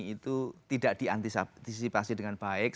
itu tidak diantisipasi dengan baik